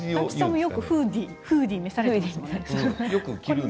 よくフーディーを召されていますね。